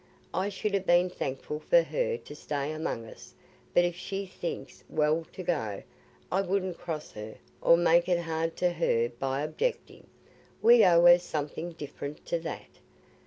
I should ha' been thankful for her to stay among us, but if she thinks well to go, I wouldn't cross her, or make it hard to her by objecting. We owe her something different to that."